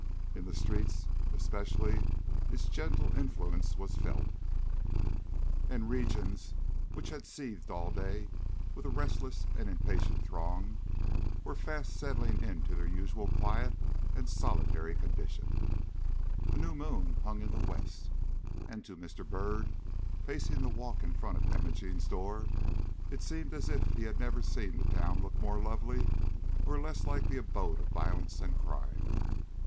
In the streets, especially, its gentle influence was felt, and regions which had seethed all day with a restless and impatient throng were fast settling into their usual quiet and solitary condition. A new moon hung in the west, and to Mr. Byrd, pacing the walk in front of Imogene's door, it seemed as if he had never seen the town look more lovely or less like the abode of violence and crime.